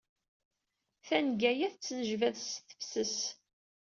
Tanga-a tettnejbad s tefses.